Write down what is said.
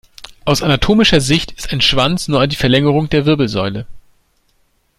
Aus anatomischer Sicht ist ein Schwanz nur die Verlängerung der Wirbelsäule.